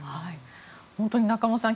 本当に中室さん